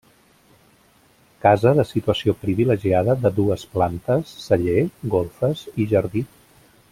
Casa de situació privilegiada de dues plantes, celler, golfes i jardí.